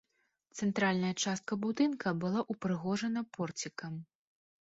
Цэнтральная частка будынка была ўпрыгожана порцікам.